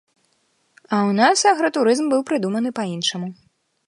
А ў нас агратурызм быў прыдуманы па іншаму.